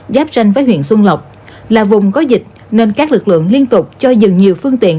giáp tranh với huyện xuân lộc là vùng có dịch nên các lực lượng liên tục cho dừng nhiều phương tiện